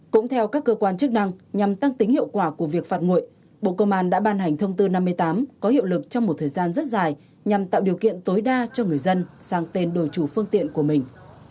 cũng theo các cơ quan chức năng nhằm tăng tính hiệu quả của việc phạt nguội bộ công an đã ban hành thông tư năm mươi tám có hiệu lực trong một thời gian rất dài nhằm tạo điều kiện tối đa cho người dân sang tên đổi chủ phương tiện của mình